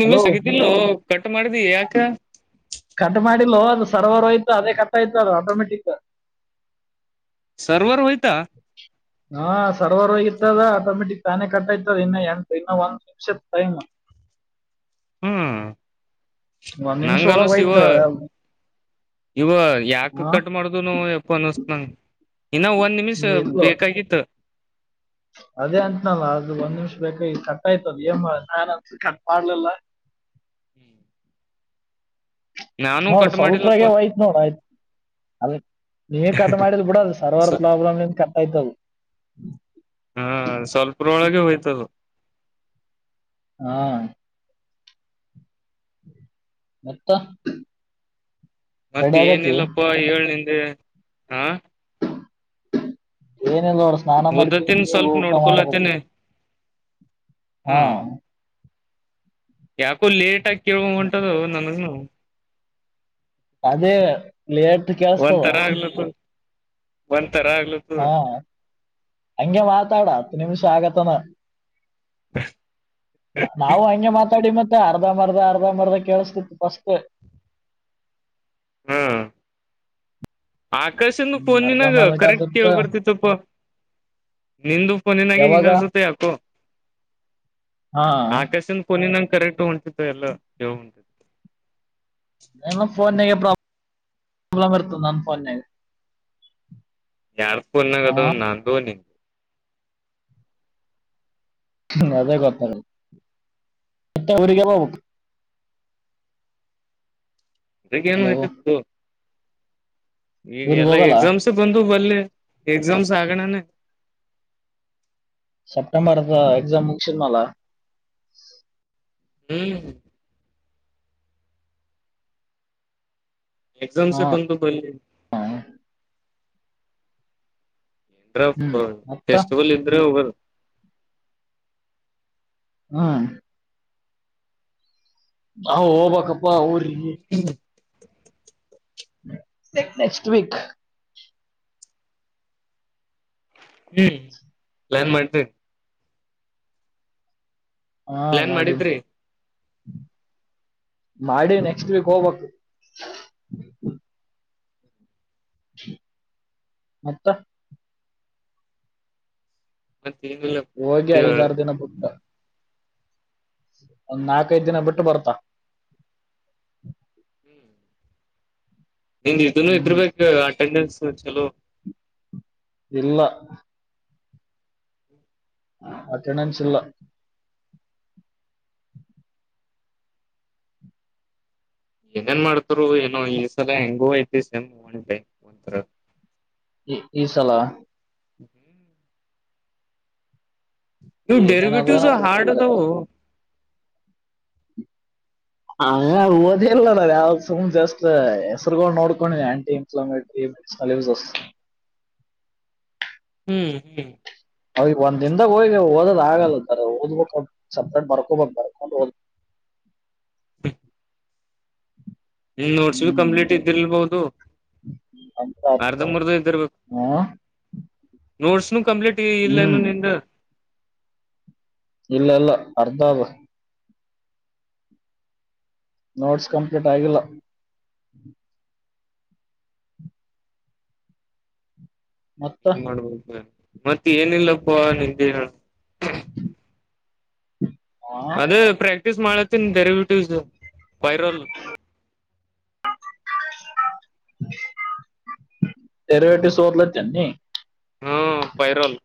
Nimmi hello [inaudible] cut ಮಾಡ್ದಿ ಯಾಕ cut ಮಾಡಲ್ಲೊ ಅದು ಸರ್ವರ್ಓಯ್ತು ಅದೇ ಕಟ್ ಆಯ್ತು ಅದು ಆಟೋಮೆಟಿಕ್ ಸರ್ವರ್ ಓಯ್ತಾ ಹಾ ಸರ್ವರ್ಗ ಇತ್ತದ ಆಟೋಮೆಟಿಕ್ ತಾನೇ ಕಟ್ಟಾಯತದ ಇನ್ನ ಎಂಟು ಇನ್ನ ಒಂದ [unintelligible] ಹ್ಮ್ ಒಂದ್ ನಿಮಿಷ ಹೆಂಗ್ ಒಳಗ್ ಅನಸ ಇವ ಹೋಯ್ತು ಇವ ಯಾಕ ಹಾ ಕಟ್ ಮಾಡುದು ಎಪ್ಪ [unintelligible] ಇನ್ನ ಒಂದ್ ನಿಮಿಷ್ ಇಲ್ಲೋ ಬೇಕಾಗಿತ್ತು ಅದೇ ಅಂತನಲ್ಲ ಆದ್ರ ಒಂದ್ ನಿಮಿಷ ಬೇಕ ಈಗ ಕಟ್ [unintelligible] ಏನ್ ನಾನ್ಂತ ಕಟ್ ಮಾಡ್ಲಿಲ್ಲಾ ನಾನು ನೋಡ್ ಕಟ್ ಸ್ವಲ್ಪ್ರಾಗೆ ಮಾಡಿಲ್ಲಪ್ಪ ಆಯ್ತತ್ ನೋಡ ಆಯ್ತು ಅದ ನೀವೇ ಕಟ್ ಮಾಡಿದ ಬಿಡ ಅದು ಸರ್ವರ್ ಪ್ರಾಬ್ಲಮ್ ಇಂದ್ ಕಟ್ ಆಯ್ತದು ಹಾ ಸ್ವಲ್ಪರೊಳಗೆ ಹೋಯ್ತದು. ಹಾ ಮತ್ತ ಮತ್ತ್ ರೆಡಿ ಆಗತಿ ಏನಿಲ್ಲಪ್ಪ ಏಳ್ ನಿಂದೆ ಹ ಏನೆಲ್ಲಾ ವರ್ ಸ್ನಾನ ಮಾಡಿ ಓದತ್ತೇನ್ ಕೂತಿದೀನಿ ಈಗ್ ಸ್ವಲ್ಪ ಊಟ ಮಾಡ್ಬೇಕು ನೋಡ್ಕೊಲತ್ತೇನೆ ಹಾ. ಹ್ಮ್ ಯಾಕೋ ಲೇಟ್ ಆಗಿ ಕೇಳುವ ಹೊಂಟದ್ ನಮಗ ಅದೇ ಲೇಟ್ ಕೇಳಸ್ತಾವ. ಒಂತರ ಆಗ್ಲತ್ತದ ಒಂತರ ಆಗ್ಲಿ ಹಾ ಹಂಗೆ ಮಾತಾಡ ಹತ್ತು ನಿಮಿಷ ಆಗತ್ತನ. ನಾವು ಹಂಗೆ ಮಾತಾಡಿ ಮತ್ತ್ ಅರ್ಧ ಮರ್ದ ಅರ್ಧ ಮರ್ದ ಕೇಳಿಸ್ತಿತ್ತು ಫಷ್ಟೇ ಆಕಾಶನ್ ಹ್ಮ್ ಫೋನಿನಾಗ ಅರ್ಧಂಬರ್ಧ ಕರೆಕ್ಟ್ ಕೇಳ ಕೇಳ್ತಿತ್ತು ಬರ್ತಿತ್ತಪ್ಪ. ನಿಂದು ಫೋನಿನಾಗ ಹಿಂಗ ಯಾವಾಗ ಅನ್ಸುತ್ತೆ ಯಾಕೊ. ಹಾ ಆಕಾಶಿಂದ್ ಫೋನ್ನ್ಯಾಗ ಕರೆಕ್ಟ್ ಹೊಂಟತ್ತು ಎಲ್ಲ [unintelligible] ನನ್ನ ಫೋನ್ನ್ಯಾಗ [unintelligible] ವರ್ತೂ ನನ್ಫೋನ್ಯಾಗ ಯಾರ್ ಫೋನ್ ಹಾ [unintelligible] ದೋನಿ ನಂಗ್ ಅದೇ ಗೊತ್ತಾಗಲ್ಲ ಅಂತ ಊರಿಗೆಲ್ಲ [unintelligible] ಇದ್ ಹೆಂಗ್ ಹಲೋ ಇಲ್ ಸಿಕ್ತು. ಈಗ ಊರಿಗೆ ಎಲ್ಲಾ ಹೋಗಲ್ಲ ಎಕ್ಸಾಮ್ಸ ಬಂದ್ರ್ ಬರ್ಲಿ ಎಕ್ಸಾಮ್ಸ್ ಆಗಣನೇ. ಸಪ್ಟೆಂಬರ್ ಗ ಎಕ್ಸಾಮ ಮುಗಶಿದ್ನಲ. ಹೇ. ಹಾ ಎಕ್ಸಾಮ್ಸ್ ಬಂದ್ರ್ ಬರ್ಲಿ ಕರೆಕ್ಟ್ ಹ್ಮ್ ಮತ್ತ ಫೆಸ್ಟಿವಲ್ ಇದ್ರೆ ಹೋಗಣ ಹಾ ಹ ಹೋಗ್ಬಕಪ್ಪಾ ಊರಿಗೆ. ಹ್ಮ ನೆಕ್ಸ್ಟ್ ವೀಕ್ ಹ್ಮ್ ಎಲ್ಲ್ ಮಾಡ್ತಿ ಹಾ ಪ್ಲಾನ್ ಮಾಡಿ ಮಾಡಿದ್ರಿ ಮಾಡಿ ನೆಕ್ಸ್ಟ್ ವೀಕ್ ಹೋಗ್ಬೇಕ್ ಮತ್ತ. ಮತ್ತ್ [unintelligible] ಹೋಗಿ ಐದಾರು ದಿನ ಬುಟ್ಟ. ಒಂದ್ ನಾಕೈದು ದಿನ ಬಿಟ್ಟ ಬರ್ತಾ. ನಿನ್ ಇದನ್ನು ಹ್ಮ್ ಇದ್ರಬೇಕು ಅಟೆಂಡೆನ್ಸ್ ಚಲೋ ಇಲ್ಲ ಅಟೆನೆನ್ಸ್ ಇಲ್ಲ. ಏನೇನ್ ಮಾಡ್ತರೋ ಏನೋ ಈ ಸಲ ಹೆಂಗೋ ಐತಿ ಸಮ್ ಒಂಟೈ ಒಂಥರ. ಈ ಈ ಸಲಾ. ಹ್ಮ ಇವು ಏನೇನದ ಡೆರಿಬಿಟಿವ್ಸ್ ಹಾರ್ಡ್ ಕಟ್ತಿಲ್ಲ ಅದವು. ಹ ಓದಿಲ್ಲ ನ ಯಾವ ಸುಮ್ ಜಸ್ಟ್ ಹೆಸ್ರುಗೊಳ್ ನೋಡ್ಕೊಂಡಿನಿ ಆಂಟಿ ಇನ್ಫ್ಲೋಮೇಟ್ರಿ. ಅಲಿವ್ಜಸ್ ಹ್ಮ್ ಹ್ಮ್ ಅವ ಈಗ ಒಂದ ದಿನ್ದಾಗ ಹೋಗಿ ಓದದಾಗಲ್ಲ ಸರ್ ಓದ್ಬೇಕು ಸಪ್ರೇಟ್ ಬರ್ಕೊಬಕ್ ಬರ್ಕೊಂಡು ಓದಬೇಕು. [inaudible] ಹ್ಮ ನೋಟ್ಸ್ ಭಿ ಹ್ಮ್ ಕಂಪ್ಲೀಟ್ ಇದ್ದಿಲ್ಬಹುದು. ಅಂತ ಅರ್ಧ ಮೂರ್ದು ಇದ್ದಿರ್ಬೇಕು. ಹ್ಮ್ ನೋಟ್ಸ್ನು ಕಂಪ್ಲೀಟ್ ಇಲ್ಲೇನು ಹ್ಮ್ ನಿಂದು. ಇಲ್ಲ ಇಲ್ಲ ಅರ್ಧ ಆದ. ನೋಟ್ಸ್ ಕಂಪ್ಲೀಟ್ ಆಗಿಲ್ಲ. ಮತ್ತ ಏನ್ ಮಾಡ್ಬೋಕ ಮತ್ತ ಏನಿಲ್ಲಪ್ಪ ನಿಂದೆ ಹೇಳ. ಹ [unintelligible] ಅದೇ ಪ್ರಾಕ್ಟೀಸ್ ಮಾಡ್ಲತ್ತಿನ್ ರಬೆವಿಟಿವ್ಸದು ಪೈರಲ್. [unintelligible] ಎರವೆಟಿಸ್ ಓದಲತ್ತೆನ್ನಿ. ಹ್ಮ ಪೈರಲ್.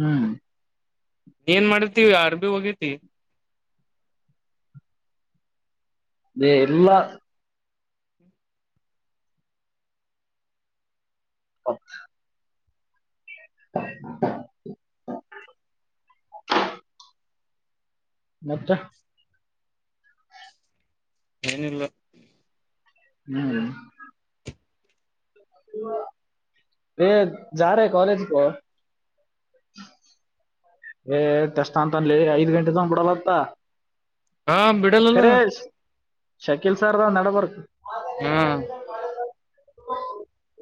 ಹ್ಮ್ ಏನ್ ಮಾಡತಿ ಅರ್ ಬಿ ಹೋಗೇತಿ. ಬೇ ಇಲ್ಲಾ. ಹ ಹ [unintelligible] ಮತ್ತೆ ಏನಿಲ್ಲ ಹ್ಮ್ ಎ ಜಾರೆ ಕಾಲಜ ಕ ಏ ಕಷ್ಟ ಅಂತನ್ಲೇ ಐದ್ ಗಂಟೆ ತನ್ ಬಿಡಲ್ಲತ್ತ. ಹಾ ಬಿ ಖರೇಶ್ ಶಕೀಲ್ ಸರ್ದಾದ ನಡಬರ್ಕ. ಹಾ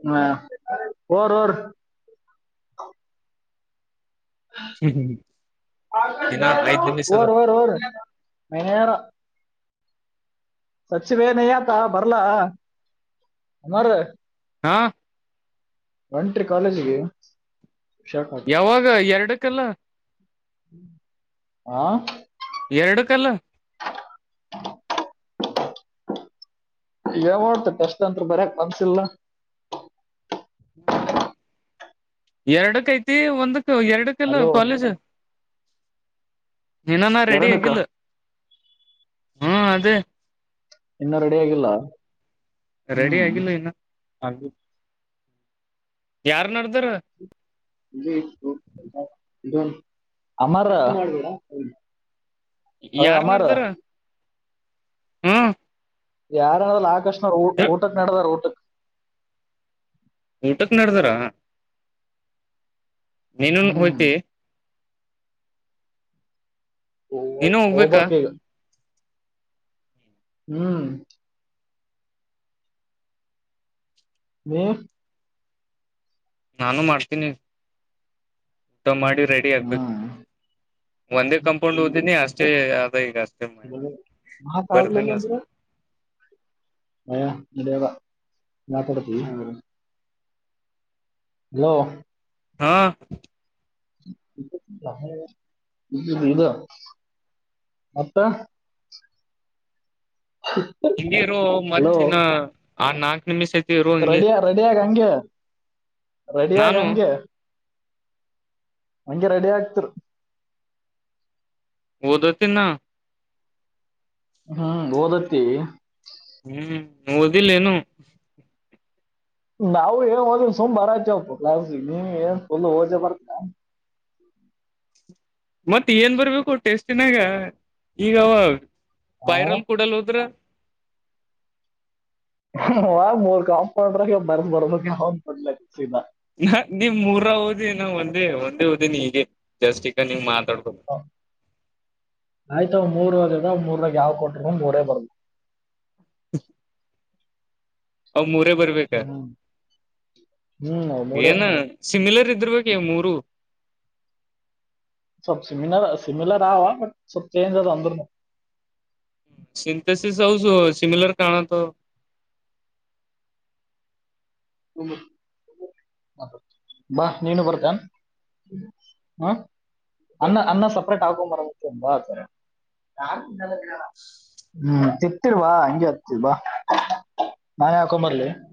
ಹಾ ಓರಿ ಓರಿ. ಅ ಇನ್ನ ಐದ್ ನಿಮಿಷ ಅದ ಓರಿ ಓರಿ ಓರಿ [unintelligible] ಸಚಿವೇನಯ್ಯತ ಬರ್ಲಾ ಅಣ್ಣೋರೆ. ಹಾಂ ಒಂಟ್ರಿ ಕಾಲೇಜಿಗಿ. ಯಾವಾಗ ಎರಡಕ್ಕಲ್ಲ. ಹಾ ಎರಡು ಕಲ್ಲ. ಹ [inaudible] ಯ ಮಾಡಡ್ತ ಟಷ್ಟಟ್ ಅತ್ ಬರಯಕ್ ಬನ್ಸಿಲ್ಲಾ ಎರಡಕ್ಕ ಐತಿ ಒಂದಕ್ ಎರಡಕ್ಕೆಲ್ಲ ಹಲೋ ಕಾಲೇಜ್ ಇನ್ ನಾನ ರೆಡಿ ಎರಡಕ್ಕ ಆಗಿಲ್ಲ ಹ್ಮ ಅದೇ ಇನ್ನೂ ರೆಡಿ ಆಗಿಲ್ಲ? ರೆಡಿ ಹ್ಮ್ ಆಗಿಲ್ಲ ಇನ್ನು ಹಾಗಬೇಕು ಯಾರ್ ನಡದಾರ ಅಮಾರ್ ಯಾರ್ ನಡದಾರ ಹ್ಮ ಯಾರನಾರ್ರೂ ಆಕರ್ಷಣ ಊಟಕ್ ನಡ್ದಾರ ಊಟ ಊಟಕ್ ನಡದಾರ ನೀನುನ್ ಹ್ಮ್ ಹೋಯ್ತಿ ಓ ನೀನು ಓಗ್ ಹೋಗ್ಬೇಕಾ ಬೇಕ್ ಈಗ ಹ್ಮ್ ಹ್ಮ ನಾನು ಮಾಡ್ತೀನಿ ಊಟ ಮಾಡಿ ರೆಡಿ ಆಗ್ಬೇಕು ಹ್ಮ್ ಒಂದೇ ಕಂಪೌಂಡ್ ಓದಿನಿ ಅಷ್ಟೇ ಅದ ಈಗ ಅಷ್ಟೇ ಹ್ಮ್ ಆತ ಆಗಲ್ಲಿಲ ಬರ್ದೀನಿ ಅಷ್ಟೇ ಅಂದ್ರೆ ಮಯಾ ಇಡಾಗ ಾಪಡತ ಅವ [unintelligible] ಹಲೋ ಹಾ ಇದು ಇದು ಮತ್ತ ಹ ಹಂಗೀರು ಮಧಿನ ಆ ನಾಕು ನಿಮಿಷ ಐ [unintelligible] ರೆಡ ರೆಡಿಯಗ ಹಂಗೆ. ರೆಡಿಯಗ ನಾನು ಹಂಗೆ. ಹಂಗೆ ರೆಡಿ ಆಗ್ತರು.. ಓದತಿ ನಾ ಹ್ಮ್ ಓದತ್ತೀ ಹ್ಮ್ ಓದಿಲ್ಲ ಎನು ನಾವು ಏನ್ ಓದಿಲ್ಲ ಸುಮ್ ಬರ ಆತು ಕ್ಲಸಿಗ್ ನೀ ಏನ್ ಫುಲ್ ಜ ಬರ್ತಾ ಮತ್ತ ಏನ್ ಬರ್ಬೇಕು ಟೇಸ್ಟಿನಾಗ ಈಗ ಆ? ಪೈರಲ್ ಕೂಡಲ್ ಹೋದ್ರ ಮೂರ್ ಕಾಂಪೌಂಡ್ರಾಗ ಬರ್ದ ಬರ್ಬೇಕ ಅವ ಪಡ್ಲ ಸನಾ ನಾ ನಿಮ್ ಮೂರ ಓದಿ ನ ಒಂದೇ ಒಂದೇ ಓದಿನ ಈಗೆ ಜಾಸ್ಟ ಈಗ ನೀಮ್ ಮಾತಾಡ್ಬೋ ಆಯ್ತ ಒ ಮೂರವರೆ ಇ ಮೂರಾಗ ಯಾವ್ ಕೊಟರು ಒ ಮೂರೇ ಬರ್ಬೇಕ [inaudible] ಅವ್ ಮೂರ ಬರ್ಬೇಕ ಹ್ಮ್ ಹ್ಮ್ ಅವ್ ಮೂರೇ ಏನ ಸಿಮಿಲರ್ ಇದರ್ ಬ ಮೂರು [unintelligible] ಸಬ್ ಸಿಮಿಲರ್ ಸಿಮಿಲರ್ ಆ ಬಟ್ ಸ ಚೇಂಜ್ ಅ ಅಂದ್ರ [unintelligible] ಸಿಂಥೆಸಸ್ ಹೌ ಸ [unintelligible] ಸಿಮಲರ್ ಕಾಣಂತ ಹ ಬಾ ನೀನು ಬರ್ತಿಯಾ ಹ ಅನ್ನ ಅನ್ನ ಸಪರೇಟ್ ಆಗ ಮರಂಬ ಸ ಯ ಹ್ಮ್ ತಿತ್ತಲ್ವಾ ಹಂಗೆ ಆತಿಲ್ವಾ ನಾನ್ ಹಾಕೊಂಬರ್ಲಿ [unintelligible]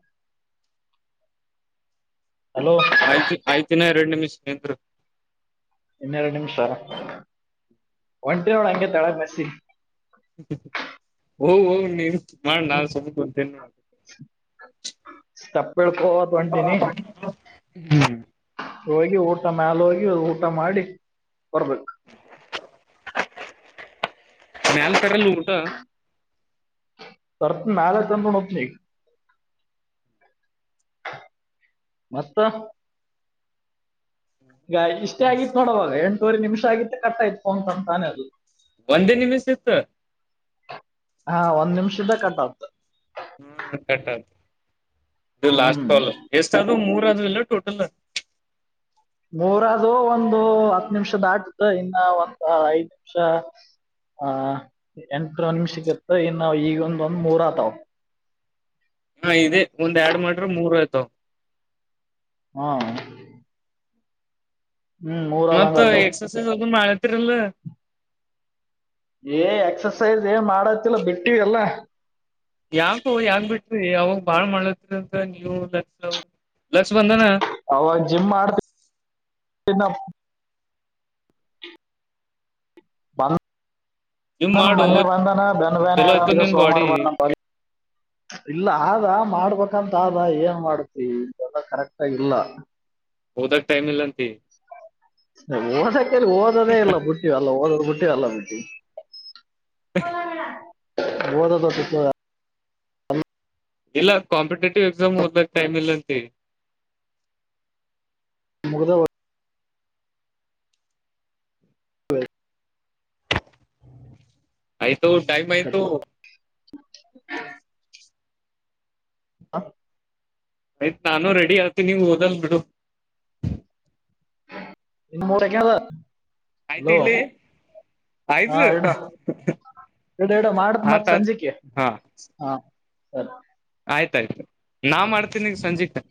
ಹಲೋ ಆಯ್ತಿ ಆಯ್ತಿನ ಎರಡ್ ನಿಮಿಷ್ ನಿಂರು ಇನ್ನೆರಡು ನಿಮಿಷಾರ ಒಂಟಿನ ನೋಳ ಹಂಗೆ ತಳಗ್ ಬಸಿ ಓ ಹ ನೀವು ಮಾಡ ನಾನೂ ಸುಮ ಕುಂತಿನ್ ಸ್ಟೆಪ್ ಯಿಳ್ಕೋದು ಹೊಂಟೀನಿ [inaudible] ಹೋಗಿ ಊಟ ಮ್ಯಾಲ ಹೋಗಿ ಊಟ ಮಾಡಿ ಬರ್ಬೇಕು ಮ್ಯಾಲ ತರಲ್ಲ ಊಂಟ ಅರ್ ನಾಲಾ ಚಂದ್ರಣೋತ್ನ ಮತ್ತ ಈಗ ಇಷ್ಟೇ ಆಗಿತ್ತು ತೊಡೋವಾಗ ಎಂಟೂವರೆ ನಿಮಿಷ ಆಗಿ ಕಟ್ಟಾಯಯ್ತ್ ತೋತಂತ ತಾನೆ ಅದು ಒಂದೇ ನಿಮಿಷ ಇತ್ತು ಹಾ ಒಂದ್ ನಿಮಿಷದ ಕಟ್ ಆಗ್ತದೆ ಹ್ಮ ಕಟ್ಟ ಆತ ಇದು ಲಾಸ್ಟ್ ಹ್ಮ್ ಕಲ್ ಎಷ್ಟಾದದು ಮೂರ್ ಇಲ್ಲ ಟೋಟಲ್ ಮೂರ ಆದ್ವು ಒಂದು ಹತ್ ನಿಮಿಷ ದಾಗಿದ ಇನ್ನ ಒಂದು ಐದ್ ನಿಮಿಷ ಆ ಎಂಟರ ನಿಮಿಷಗತ್ತು ಇನ್ ನಾವು ಈಗ ಒಂದ ಒಂದ್ ಮೂರ್ ಆತಾವ ಹಾ ಇದ್ದೆ ಒಂದ್ ಎರಡ್ ಮಾಡ್ರೆ ಮೂರ್ ಆಯ್ತಾವ ಹಾ ಹ್ಮ್ ಮೂರ್ ಮತ್ತ್ ಆದಂಗ ಆತಾವ್ ಎಕ್ಸಸೈಜ ಅದು ಮಾಡತಿರಲ್ಲ ಏ ಎಕ್ಸಸೈಜ ಏ ಮಾಡತಿಲ್ಲ ಬಿಟ್ಟಿವಲ್ಲ ಯಾಕು ಯಾಕ ಬಿಟ್ರಿ ಅವಾಗ ಬಾಳ್ ಮಾಡ್ಲತ್ರಿ ಅಂತ ನೀವು ಲಕ್ ಲಸ್ ಬಂದನ ಅವಾಗ ಜಿಮ್ ಮಾಡ್ತ ತಿನಾ ನಿಮ್ ನಾನ ಮಾಡು ಮೊನ್ನೆ ಬಂದನ ಬೆ ಬೇನ ಚಲೋ ಆಯ್ತು ಈಗ ನಿನ್ ಸೋಮವಾರ ಬಾಡಿ ಬಾರ ನ ಬ ಇಲ್ಲ ಆದ ಮಾಡ್ಬೇಕಂತ ಆದ ಏನ್ ಮಾಡ್ತಿ ಇದೆಲ್ಲ ಕರೆಕ್ಟ ಆಗ ಇಲ್ಲ ಓದಕ್ ಟೈಮ್ ಇಲ್ಲ ಅಂತಿ ಓದಕ್ಕ ಓದದೇ ಇಲ್ಲ ಬಟ್ಟಿ ಅಲ್ಲ ಓದೋ್ ಬಿಟ್ಟಿ ಅಲ್ಲ ಬಿಟ್ಟಿ ಓದದು ಬಿಟ್ಟಾ ಇಲ್ಲ ಕಾಂಪಿಟೇಟಿವ್ ಎಕ್ಸಾಮ್ ದಾಗ ಟೈಮ ಎಲ್ಲಾ ಅಂತೆ ಮುಗದ ವ್ಯಾ ಆಯ್ತು ಟೈಮ್ ಆಯ್ತು ಹ ಆಯ್ತ್ ನಾನು ರೆಡಿ ಆಗ್ತತಿ ನೀವು್ ಓದಲ್ ಬಿಡು ಮುರಕ್ಯ ಆಯ್ತ್ ಇಡ್ಲಿ ಐತ ಹಾ ಇಡ ಇಡ ಇಡ ಮಾಡತ್ ಮತ್ ಆತ ಆತ್ ಸಂಜಿಕೆ ಹಾ ಹಾ ಸರಿ ಆಯ್ತಾಯ್ತು ನಾ ಮಾಡ್ತೀನಿ ಈಗಾ ಸಂಜೆ ಕಾ